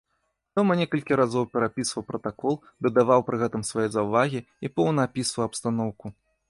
Дома некалькі разоў перапісваў пратакол, дадаваў пры гэтым свае заўвагі і поўна апісваў абстаноўку.